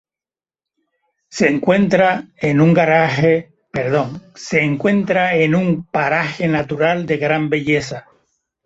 Se encuentra en un paraje natural de gran belleza.